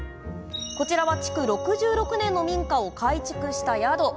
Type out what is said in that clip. こちらは、築６６年の民家を改築した宿。